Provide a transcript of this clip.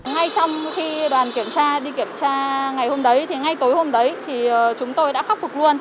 ngay trong khi đoàn đi kiểm tra ngày hôm đấy ngay tối hôm đấy chúng tôi đã khắc phục luôn